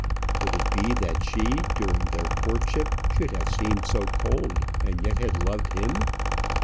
Could it be that she, during their courtship, should have seemed so cold and yet had loved him?